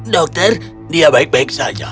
dokter dia baik baik saja